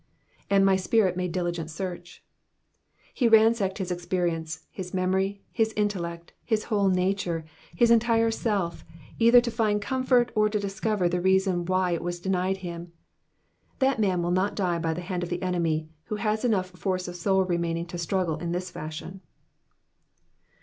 *^And my spirit made diligent search'.^^ He ransacked his experience, his memory, his intellect, his whole nature, his entire self, either to find comfort or to discover the reason why it was denied him. That man will • not die by the hand of the enemy who has enough force of soul remaining to struggle in this fashion.